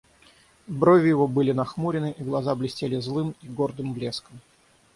Брови его были нахмурены, и глаза блестели злым и гордым блеском.